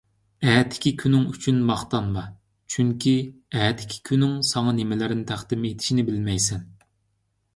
ئەتىكى كۈنۈڭ ئۈچۈن ماختانما، چۈنكى ئەتىكى كۈننىڭ ساڭا نېمىلەرنى تەقدىم ئېتىشىنى بىلمەيسەن.